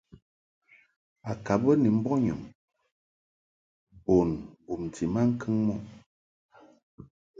A ka mbə ni mbɔnyum bun bomti maŋkəŋ muʼ.